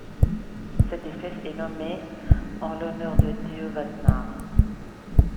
Cette espèce est nommée en l'honneur de Theo Wassenaar.